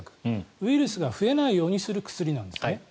ウイルスが増えないようにする薬なんですね。